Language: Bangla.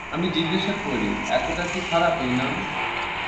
আমি জিজ্ঞাস করি, এতটা কি খারাপ এই নাম?